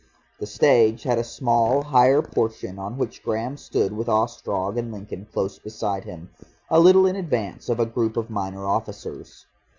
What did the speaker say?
The stage had a small higher portion on which Graham stood with Ostrog and Lincoln close beside him, a little in advance of a group of minor officers.